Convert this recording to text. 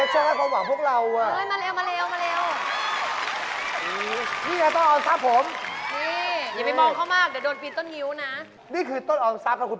ถูกที่สุด